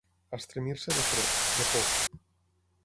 Estremir-se de fred, de por.